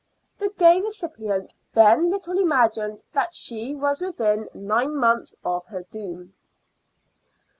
The gay recipient then little imagined that she was within nine months of her doom.